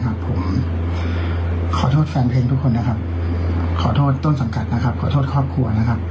ขอโทษแฟนเพลงทุกคนต้นสังกัดครอบครัว